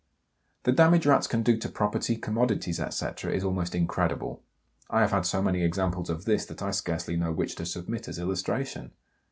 The damage Rats can do to property, commodities, etc., is almost incredible. I have had so many examples of this that I scarcely know which to submit as illustration.